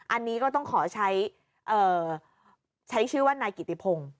อันนี้ก็ต้องขอใช้ชื่อว่านายกิติพงศ์